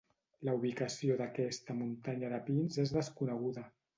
La ubicació d'aquesta muntanya de pins és desconeguda.